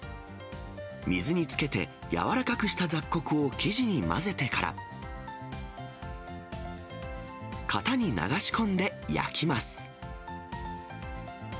水に漬けて柔らかくした雑穀を生地に混ぜてから、型に流し込んで焼きます。